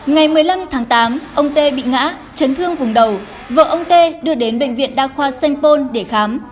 ngày một mươi năm tháng tám ông tê bị ngã chấn thương vùng đầu vợ ông tê đưa đến bệnh viện đa khoa sanh pôn để khám